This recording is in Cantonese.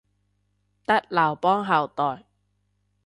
得劉邦後代